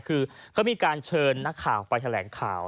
คือเขามีการเชิญนักข่าวไปแถลงข่าว